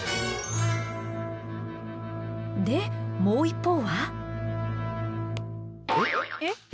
でもう一方は。えっ？